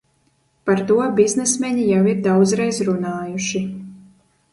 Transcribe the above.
Par to biznesmeņi jau ir daudzreiz runājuši.